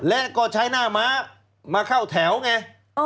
และก็ใช้หน้าม้ามาเข้าแถวไง